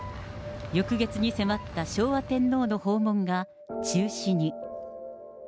翌月に迫った昭和天皇の訪問が中止に。